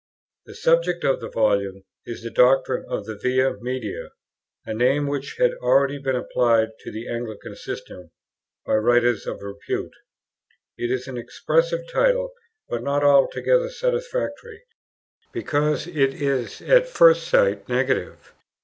The subject of the Volume is the doctrine of the Via Media, a name which had already been applied to the Anglican system by writers of repute. It is an expressive title, but not altogether satisfactory, because it is at first sight negative.